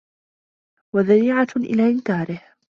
وَذَرِيعَةٌ إلَى إنْكَارِهِ